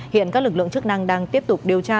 hiện các lực lượng chức năng đang tiếp tục điều tra